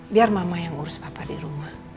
biar mama yang urus papa di rumah